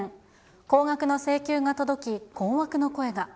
高額な請求が届き、困惑の声が。